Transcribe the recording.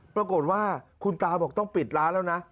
ปรากฏว่าคุณตาบอกต้องปิดร้านแล้วนะ